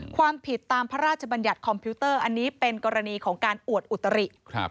ความผิดตามพระราชบัญญัติคอมพิวเตอร์อันนี้เป็นกรณีของการอวดอุตริ